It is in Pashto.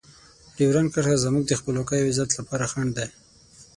ډیورنډ کرښه زموږ د خپلواکۍ او عزت لپاره خنډ دی.